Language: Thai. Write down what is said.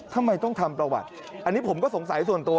ทำไมต้องทำประวัติอันนี้ผมก็สงสัยส่วนตัว